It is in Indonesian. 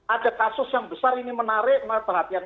ada kasus yang besar ini menarik perhatian